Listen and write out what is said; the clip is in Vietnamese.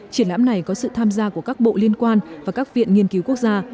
triển lãm này có sự tham gia của các bộ liên quan và các viện nghiên cứu quốc gia